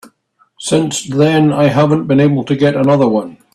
Since then I haven't been able to get another one.